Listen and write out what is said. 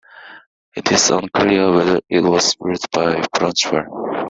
It is unclear whether it was ruled by Brochwel.